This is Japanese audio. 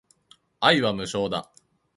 愛は無償だ